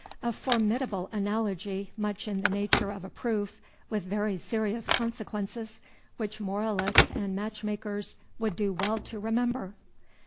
A formidable analogy, much in the nature of a proof, with very serious consequences, which moralists and match makers would do well to remember!